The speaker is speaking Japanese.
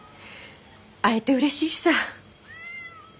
会えてうれしいさ。